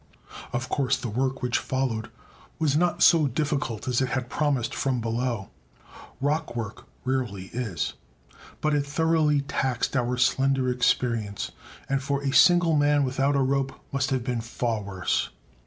Of course, the work which followed was not so difficult as it had promised from below rock work rarely is but it thoroughly taxed our slender experience, and, for a single man without a rope, must have been far worse.